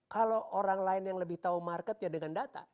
kalau orang lain yang lebih tahu marketnya dengan data